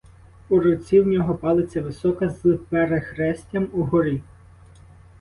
У руці в нього палиця висока, з перехрестям угорі.